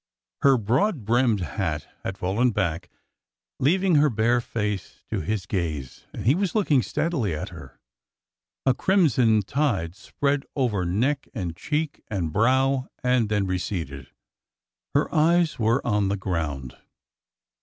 Her broad brimmed hat had fallen back, leaving her face bare to his gaze, and he was looking steadily at her. A crimson tide spread over neck and cheek and brow and then receded. Her eyes were on the ground.